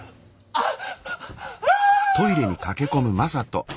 あっ！